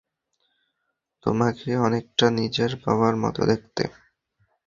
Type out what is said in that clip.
তোমাকে অনেকটা নিজের বাবার মত দেখতে।